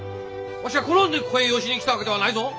わしは好んでここへ養子に来たわけではないぞ。